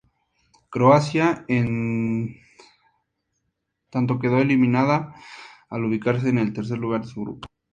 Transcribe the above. Croacia, en tanto, quedó eliminada al ubicarse en el tercer lugar de su grupo.